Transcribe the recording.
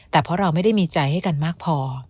แต่เพราะเราไม่ได้มีใจให้กันมากพอ